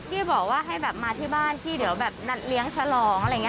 ที่บอกว่าให้แบบมาที่บ้านพี่เดี๋ยวแบบนัดเลี้ยงฉลองอะไรอย่างนี้